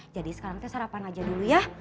jadi sekarang sarapan aja dulu ya